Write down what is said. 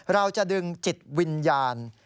เราจะดึงจิตวิญญาณ